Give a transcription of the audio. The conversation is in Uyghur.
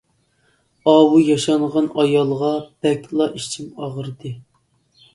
ئاۋۇ ياشانغان ئايالغا بەكلا ئىچىم ئاغرىدى.